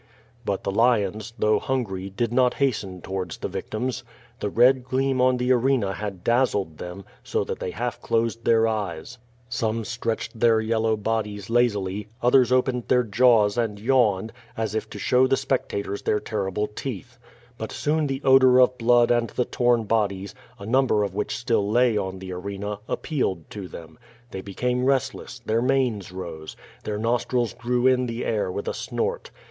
But the lions, though hungry, did not hasten towards the victims. The red gleam on the arena had dazzled them, so that they half closed their eyes. Some stretched their yellow "PEACE TO THE MARTYRS!' QVO VADI8. 417 bodiee lazily, others opened their jaws and yawned, as if to show the spectators their terrible teeth. But soon the odor of blood and the torn bodies, a number of which still lay on the arena, appealed to them. They became restless; their manes rose; their nostrils drew in the air with a snort.